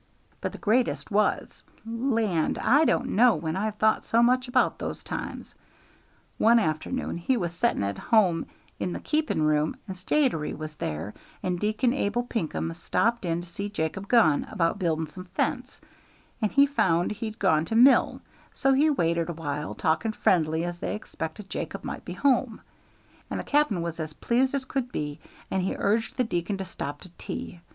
But the greatest was land! I don't know when I've thought so much about those times one afternoon he was setting at home in the keeping room, and Statiry was there, and Deacon Abel Pinkham stopped in to see Jacob Gunn about building some fence, and he found he'd gone to mill, so he waited a while, talking friendly, as they expected Jacob might be home; and the cap'n was as pleased as could be, and he urged the deacon to stop to tea.